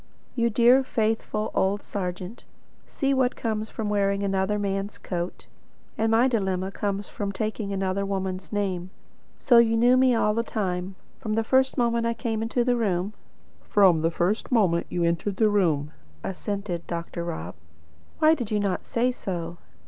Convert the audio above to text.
"You dear faithful old serjeant! See what comes of wearing another man's coat. And my dilemma comes from taking another woman's name. So you knew me all the time, from the first moment I came into the room?" "From the first moment you entered the room," assented Dr. Rob. "Why did you not say so?"